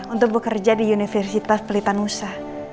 untuk bekerja di universitas pelitanusa